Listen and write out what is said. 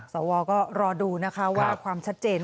สวก็รอดูนะคะว่าความชัดเจน